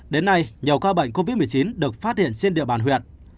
đến nay nhiều ca bệnh covid một mươi chín được phát hiện trên địa bàn huyện